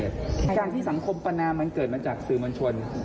ทางที่สำคมปัญหาเกิดมาจากมัญชน